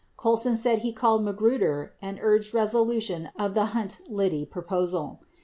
Colson said he called Magruder and urged resolution of the Hunt Liddy proposal.